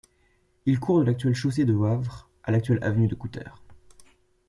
Il court de l’actuelle chaussée de Wavre à l’actuelle avenue du Kouter.